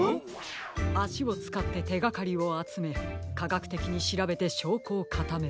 あしをつかっててがかりをあつめかがくてきにしらべてしょうこをかためる。